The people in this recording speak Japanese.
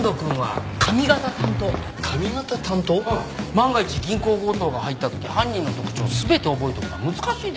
万が一銀行強盗が入った時犯人の特徴を全て覚えておくのは難しいでしょう。